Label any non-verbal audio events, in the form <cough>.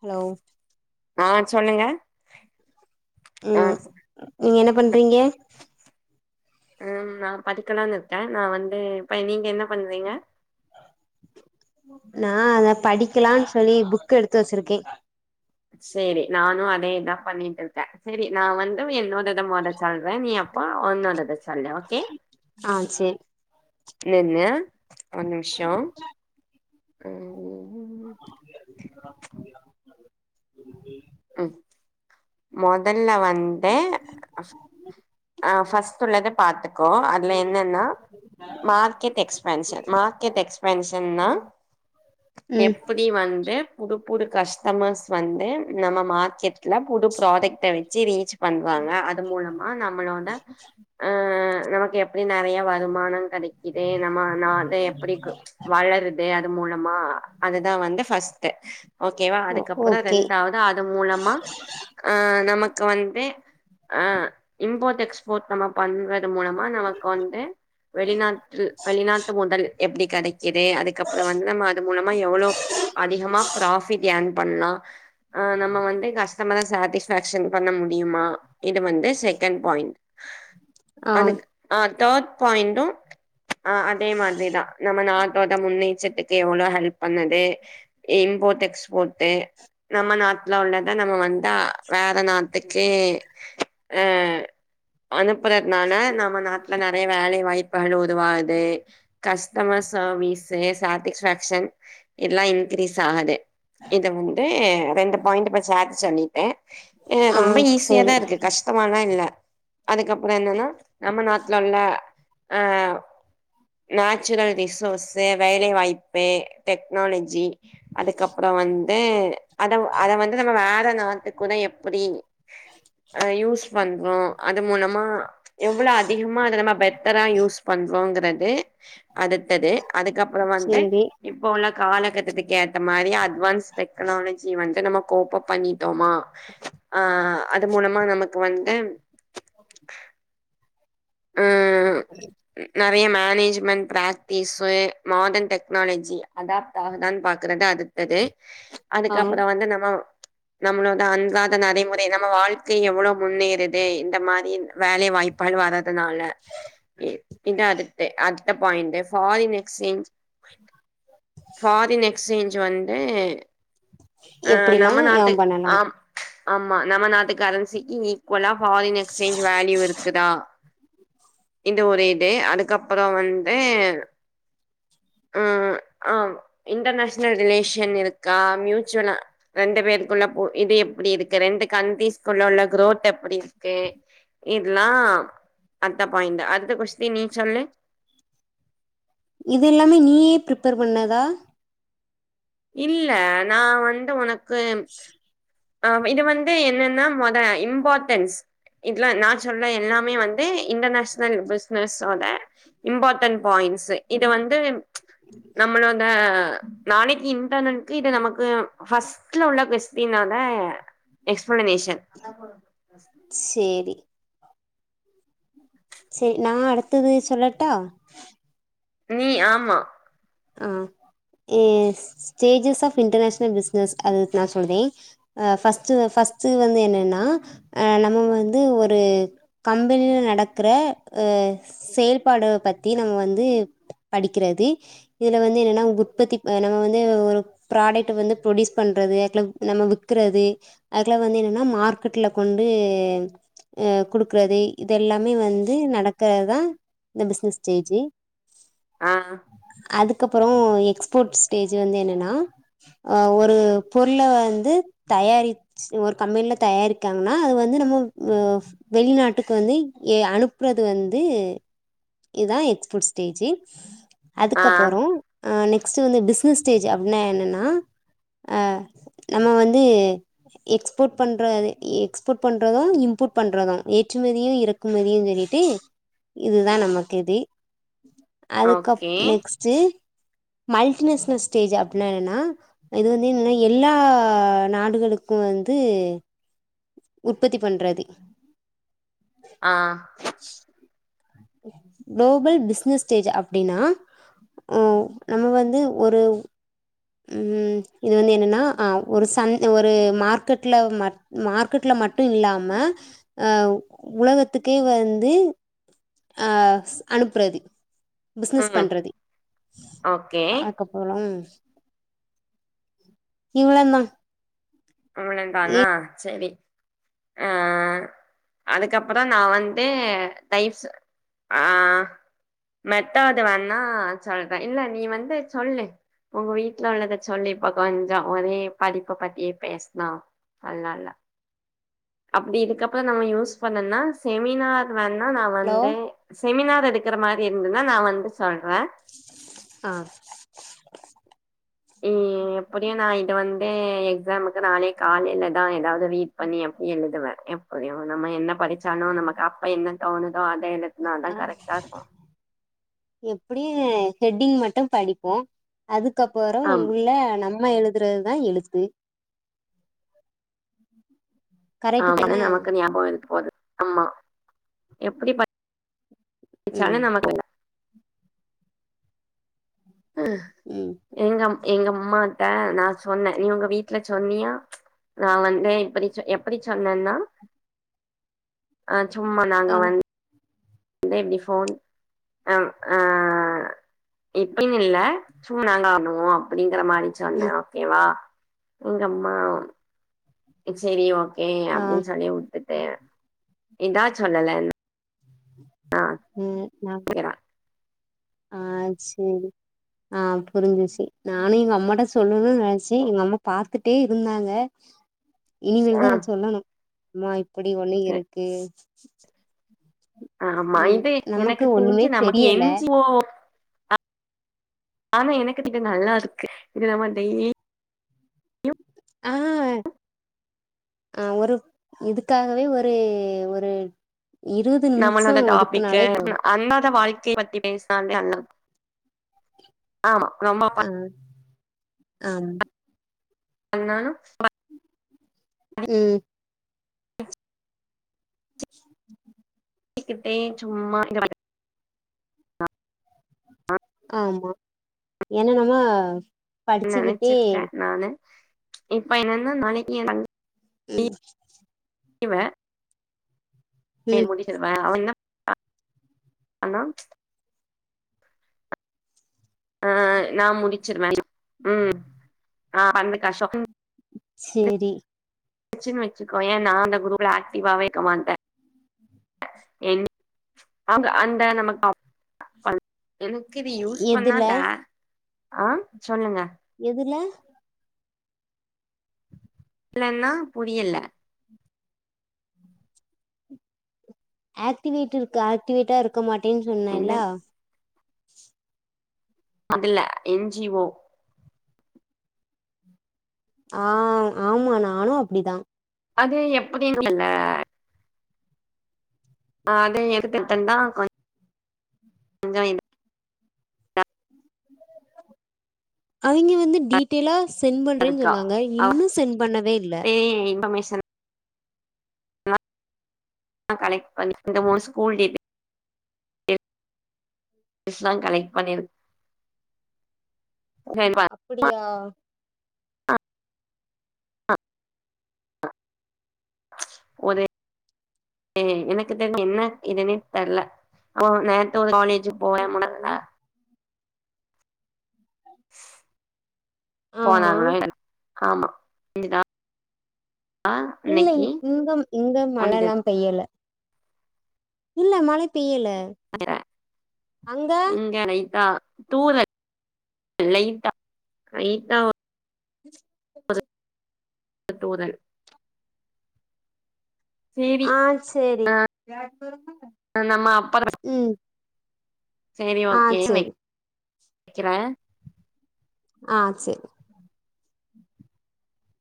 hello ஆ சொல்லுங்க ஆ ம் நீங்க என்ன பண்றீங்க ம் நா படிக்கலான்னு இருக்க நா வந்து இப்ப நீங்க என்ன பண்றீங்க நா அத படிக்கலான்னு சொல்லி புக்க எடுத்து வச்சிருக்கே செரி நானு அதே தா பண்ணிட்டு இருக்க சரி நா வந்து என்னோடத மொத சொல்றேன் நீ அப்போ ஒன்னோடத சொல்லு ஓகே ஆ சேரி என்ன ஒர் நிம்ஷோ <unintelligible> ம் மொதல்ல வந்து ஆ ஃபர்ஸ்ட்டுள்ளத பாத்துக்கோ அதுல என்னன்னா மார்க்கெட் எக்ஸ்பென்ஷன் மார்க்கெட் எக்ஸ்பென்ஷன் நா ம் எப்படி வந்து புது புது கஸ்டமர்ஸ் வந்து நம்ம மார்க்கெட் கட்ல புது ப்ராடக்ட் வச்சி ரீச் பண்றங்க அது மூலமா நம்மளோட ஆ ஆ நமக்கு எப்ப நெறய வருமான கெடைக்குது நம்ம நா அத எப்படி வளருது அது மூலமா அதுதா வந்து ஃபர்ஸ்ட்டு ஓகேவா அதுக்கப்பற ஓகே ரெண்டாவது அது மூலமா ஆ நமக்கு வந்து அ இம்போர்ட் எக்ஸ்போர்ட் நம்ம பண்றது மூலமா நமக்கு வந்து வெளிநாட்டு வெளிநாட்டு முதல் எப்படி கெடைக் கது அதுக்கப்பற வந்து நம்ம அது மூலமா எவ்ளோ அதிகமா ஃப்ராபிட் ஏர்ன் பண்ணலா ஆ நம்ம வந்து கஸ்டமர் சாட்டிஸ்பக்ஷன் பண்ண முடியுமா இது வந்து செக் ண்ட் பாயிண்ட் ஆ அதுக்கு ஆ தேர்ட் பாயிண்டு ஆ அதே மாரிதா நம்ம நாட்டோட முன்னெச்சர் அதுக்கு எவ்ளோ ஹெல்ப் பண்ணுது இம்போர்ட் எஸ்ப்போர்ட்டு நம்ம நாட்ல உள்ளதா நம்ம வந்தா வேற நாத்துக்கே அ அனுப்பறதுனால நம்ம நாட்ல நெறய வேலை வாய்ப் பு உதவாது கஸ்டமர் சர்வீஸ்சு சேட்டிஸ்பேக்க்ஷன் எல்லா இன்கிரிஸ் ஆது இத வந்து ரெண்டு பாயிண்ட் இப்ப சேத்து சொல்லிட்டே அ ஆ ரொம்ப ஈஸியாதா சேரி இருக்கு கஷ்டமாலா இல்ல அதுக்கப்பற என்னன்னா நம்ம நாட்ல உள்ள அ நேச்சுரல் ரிசோர்ஸ்ஸு வேலை வாய்ப்பு டெக்னாலஜி அதுக்கப்பற வந்து அத அத வந்து நம்ம வேற நாட்டுக்குட எப்படி அ யூஸ் பண்றோ அது மூலமா எவ்வளவு அதிகமா அத நம்ம பெட்டரா யூஸ் பண்றோங்கறது அடுத்தது அதுக்கப்பற வந்து சேரி இப்போ உள்ள காலகட்டத்துக்கு ஏத்த மாரி அட்வான்ஸ் டெக்னாலஜி வந்து நம்ம கோப்ப பண்ணிட்டோமா ஆ அது மூலமா நமக்கு வந்து ம் ந நெறய management practice modern technology adapt ஆக தான்னு பாக்கறது அடுத்தது ஆ அதுக்கப்பற வந்து நம்ம நம்மளோட அன்றாத நடைமுறை நம்ம வாழ்க்கை எவ்ளோ முன்னேருது இந்த மாரி வேலை வா ய்ப்பால் வரத நாளா இது அடுத் அடுத்த point foreign exchange foreign exchange வந்து அ எப்டிலா நம்ம ஏ நாட்டு பண்ணலா ஆம் ஆமா நம்ம நாட்டு கரன்சிக்கு ஈக்குவலா ஃபாரின் எக்ஸ்சேஞ்ச் வேல்யூ இருக்குதா இந்த ஒரு இது அதுக்கப்பற வந்து ம் ஆ இன்டர்நேஷ னல் ரிலேஷன் இருக்கா மியூச்சுவலா ரெண்டு பேருக்குள்ள போ இது எப்டிருக்கு ரெண்டு கண்ட்ரிஸ்குள்ள உள்ள குரோத் எப்டிருக்கு இதெல்லா அடுத்த பாயிண்ட் அடுத்த கொஸ்டின் நீ சொல்லு இதெல்லாமே நீயே ப்ரிப்பேர் பண்ணதா இல்ல நா வந்து ஒனக்கு அ இது வந்து என்னன்னா மொத இம்பார்ட்டன்ஸ் இதுலா நேச்சுரல்ல எல்லாமே வந்து இன்டர்நேஷனல் பிசினஸ்வோட இம்பார்ட்டன்ட் பாயிண்ட் இத வந்து நம்மளோட நாளைக்கு இன்டர்நெக்கு இது நமக்கு ஃபர்ஸ்ட்ல உள்ள கொஸ்டினால எக்ஸ் சேரி சேரி நா அடுத்தது சொல்லட்டா நீ ஆமா yes stages of international business அது நா சொல்றே ஆ ஃபர்ஸ்ட்டு ஃபர்ஸ்ட் வந்து என்னன்னா நம்ம வந்து ஒரு கம்பெனியில நடக்கிற அ செயல்பாடுகாலா பத்தி நம்ம வந்து படிக்கிறது இதுல வந்து என்னன்னா உற்பத்தி நம்ம வந்து ஒரு ப்ராடக்ட் வந்து ப்ரொடியூஸ் பண்றது நம்ம வித்து கறது அதுக்லாம் வந்து என்னன்னா மார்க்கெட்ல கொண்டு அ குடுக்குறது இத எல்லாமே வந்து நடக்கறதா இந்த பிசினஸ்டேஜி ஆ அதுக்கப்புற எக்ஸ்போர்ட் ஸ்டேஜ் வந்து என்னென்னா ஒரு பொருளை வந்து தயாரிச்சு ஒரு கம்பெனில தயாரிக்காங்கன்னா அது வந்து நம்ம வெளிநாட்டுக்கு வந்து அனுப்புறது வந்து இதுதா எக்ஸ்போர்ட் ஸ்டேசு ஆ போறோம் நெஸ்ட் வந்து பிசினஸ் ஸ்டேஜ் அப்படின்னா என்னன்னா அ நம்ம வந்து எக்ஸ்போர்ட் பண்ற எக்ஸ்போர்ட் பண்றதும் ஃட் பண்றதும் ஏற்றுமதியு இறக்குமதியு சொல்லிட்டு இதுதா நமக்கு இது அதுக்கு அப் ஓகே நெக்ஸ்டு மல்டிநேஷனல் ஸ்டேஜ் அப்படின்னா என்னன்னா இது வந்து என்னன்ன எல்லா நாடுகளுக்கு வந்து உற்பத்தி பண்றது ஆ குளோபல் பிசினஸ் ஸ்டேஜ் அப்படின்னா ஹ நம்ம வந்து ஒரு ம் இது வந்து என்னன்னா ஒரு ச ஒரு மார்க்கெட்ல மார்க்கெட்ல மட்டு இல்லாம அ உலகத்துக்கே வந்து அ அனுப்புறது பிசினஸ் ம் பண்றது ஓகே அதுக்கப்புறம் இவளதா அவ்ளவ்தானா சரி ஆ ஆ அதுக்கப்புற நா வந்து ஆ தயிரு ஆ ஆ மேட்டவது வேணா சொல்ற இல்ல நீ வந்து சொல்லு உங்க வீட்டுல உள்ளதை சொல்லி கொஞ்சம் ஒரே படிப்ப பத்தியே பேசினா அல்லா அல்லா அப்படி இதுக்கப்பம் நம்ம யூஸ் பண்ணோம்னா செமினார் வேன்னா நான் ஹலோ வந்து செமினார் எடுக்கிற மாதிரி இருந்தன்னா நான் வந்து சொல்றே ஆ எப்படியோ நான் இது வந்து எக்ஸாமூக் நாளைக்கு காலையில தான் ஏதாவது ரீட் பண்ணி எப்படி எழுதுவேன் எப்பயும் நம்ம என்ன படிச்சாலும் நமக்கு அப்பா என்ன தோணு அதே எழுதுன தா ஆ கரெக்டா இருக்கு அப்படியே ஹெட்டிங் மட்டும் படிப்போ அதுக்கப்புற ஆம் உள்ள நம்மா எழுதுறது தா எழுத்து கரெக்டு ஆமா தானே நமக்கு ஞாபகம் இருக்க போகுது ஆமா எப்படி ம் பாடிச்சாளு நமக்கு எல்லாம் ம் ம் எங்க எங்க அம்மாட்ட நான் சொன்னே நீ உங்க வீட்டுல சொன்னியா நான் வந்து இப்படி எப்படி சொன்னேன்னா அ சும்மா நாங்க ஆ வந்து <unintelligible> அ ஆ இப்டினு இல்லை சு நாங்க ஆண்ணுவோம் அப்படின் இருக்குற மாரி சொன்னே ம் ஓகேவா எங்க அம்மா செரி ஓகே ஏ ஆ அப்படின்னு சொல்லி விட்டுட்டு இதா சொல்லல ஆ உம் நா கேக்குறா ஆ சரி ஆ புரிஞ்சுச்சி நானும் எங்க அம்மாட்ட சொல்லுனு ச்ச எங்க அம்மா பாத்துட்டே இருந்தாங்க இனிமே ஆ தான் ந சொல்லணு அப்டி ஒன்னு இருக்கு ஆமா ம் இது நமக்கு எனக்கு தெரிஞ்சு ஒண்ணுமே நமக்கு தெரியல <unintelligible> வோ ஆனா எனக்கு இதுக்கு நல்லாருக்கு இது நாம டெய்லி ஆ ஆ ஒரு இதுக்காகவே ஒரு ஒரு இருவது நிமிஷோ நம்மளோட டாப்பிக்கு ஒதுக்குனாலே போது அந்தாத <inaudible> வாழ்க்கைய பத்தி பேசினாலே <unintelligible> ஆமா ரொம்ப ஆ ஆ அண்ணா னு <inaudible> ம் <unintelligible> <inaudible> கிட்டே சும்மா <unintelligible> ஆமா ஏனா நம்ம படிச்சுக்கிட்டே நெனைச்சிருக்கே நானு இப்ப என்னன்னா நாளைக்கு எனக் <inaudible> இவ ம் <unintelligible> அண்ணா ஆ நா முடிச்சுர்வே ஆ பண்ணு <unintelligible> சேரி வச்சுன் வச்சுக்கோயே நா அந்த குரூப்ல ஆக்டிவாவே இக்க மாட்டே என் <unintelligible> அந்த நமக்கு <inaudible> எனக்கு இது யூஸ் பண்ணா எதுல டா ஆ சொல்லுங்க எதுல இல்லனா புரியல்ல ஆக்டிவேட் இருக்கு ஆக்டிவேட்டா இருக்க மாட்டேன்னு என்ன சொன்னேல்ல அதுல என் ஜீ வோ ஆ ஆமா நானு அப்டிதா அது எப்டின் <unintelligible> ஆ அத எடுத்ததந்தா கொஞ் <unintelligible> அவிங்க வந்து டீட்டெல்லா சென்ட் பண்றேன்னு இருக்கா சொன்னாங்க அவ இன்னு சென்ட் பண்ணவே இல்ல <inaudible> நா கலெக்ட் பண்ணி இந்த மூண் ஸ்கூல் டிடெல் ஸ்லா கலெக்ட் பண்ணிரு அப்புடியா ஆ ஆ ஒரு எனக்கு தெர் என்ன இதுன்னு தெர்ல போ <unintelligible> ஒரு காலேஜுக் போவே முன் <unintelligible> ஆமா போனாங்களே ஆமா இங்க தா இல்லை இங்கம் இங்க மழலலா பெய்யல இல்ல மழை பெய்யல <unintelligible> அங்க இங்க லைட்டா தூறல் லைட்டா லைட்டா ஒரு <inaudible> தூறல் சேரி ஆ சேரி ஆ நம்ம அப்பற ம் சேரி ஆ ஓகே சேரி வைக்கிறே ஆ சேரி